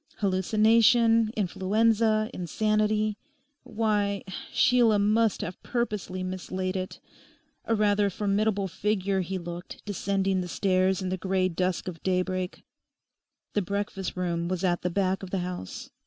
Hallucination, Influenza, Insanity—why, Sheila must have purposely mislaid it. A rather formidable figure he looked, descending the stairs in the grey dusk of daybreak. The breakfast room was at the back of the house.